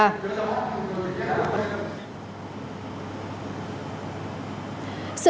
sử dụng mạng máy tính mạng viễn thông